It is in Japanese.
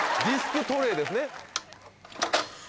ディスクトレーですね。